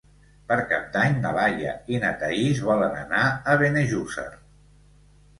Per Cap d'Any na Laia i na Thaís volen anar a Benejússer.